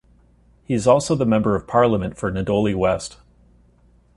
He is also the Member of Parliament for Nadowli West.